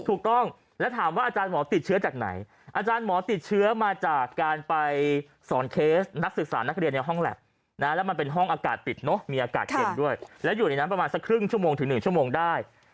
ถูกต้องแล้วถามว่าอาจารย์หมอติดเชื้อจากไหนอาจารย์หมอติดเชื้อมาจากการไปสอนเคสนักศึกษานักเรียนในห้องแล็บนะแล้วมันเป็นห้องอากาศปิดเนอะมีอากาศเย็นด้วยแล้วอยู่ในนั้นประมาณสักครึ่งชั่วโมงถึง๑ชั่วโมงได้